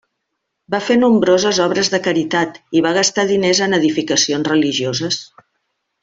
Va fer nombroses obres de caritat i va gastar diners en edificacions religioses.